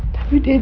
tapi dia jahat sah